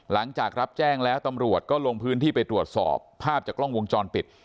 หลังจากรับแจ้งแล้วตำรวจก็ลงพื้นที่ไปตรวจสอบภาพจากกล้องวงจรปิด